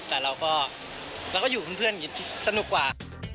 แต่เราก็อยู่เพื่อนสนุกกว่า